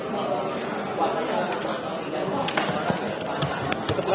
kalau sehat insya allah datang ya